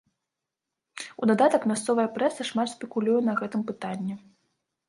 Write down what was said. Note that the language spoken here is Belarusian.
У дадатак, мясцовая прэса шмат спекулюе на гэтым пытанні.